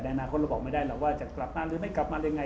อนาคตเราบอกไม่ได้หรอกว่าจะกลับมาหรือไม่กลับมายังไง